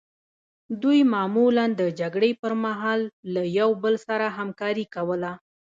دوی معمولا د جګړې پرمهال له یو بل سره همکاري کوله